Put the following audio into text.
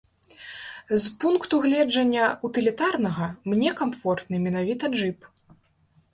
З пункту гледжання утылітарнага, мне камфортны менавіта джып.